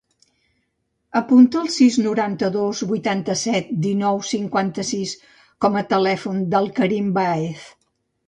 Apunta el sis, noranta-dos, vuitanta-set, dinou, cinquanta-sis com a telèfon del Karim Baez.